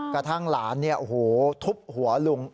กระทั่งหลานทุบหัวลุง